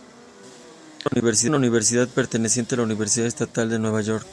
Es una universidad perteneciente a la Universidad Estatal de Nueva York.